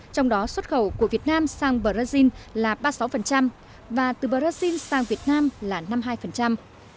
trong đó xuất khẩu của việt nam sang brazil là ba mươi sáu và từ brazil sang việt nam là năm mươi hai